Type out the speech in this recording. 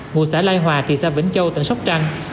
ngụ xã lai hòa thị xã vĩnh châu tỉnh sóc trăng